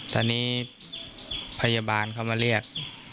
ตอนนี้พยาบาลเขามาเรียก